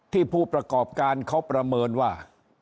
ผู้ประกอบการเขาประเมินว่า